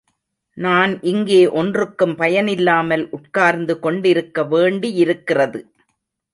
நான் இங்கே ஒன்றுக்கும் பயனில்லாமல் உட்கார்ந்து கொண்டிருக்க வேண்டியிருக்கிறது.